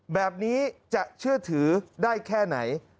แบบนี้จะเชื่อถือได้แค่ไหน